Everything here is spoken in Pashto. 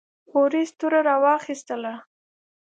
بوریس توره راواخیستله.